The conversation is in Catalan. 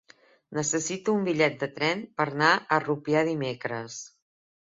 Necessito un bitllet de tren per anar a Rupià dimecres.